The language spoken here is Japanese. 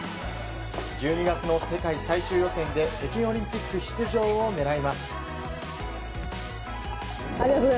１２月の世界最終予選で北京オリンピック出場を狙います。